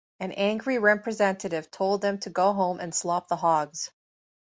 An angry representative told them to go home and slop the hogs.